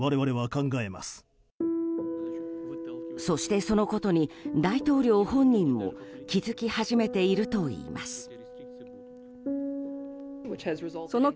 そして、そのことに大統領本人も気づき始めているといいます。